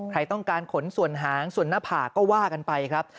ใครต้องการขนส่วนหางส่วนหน้าผากก็ว่ากันไปครับ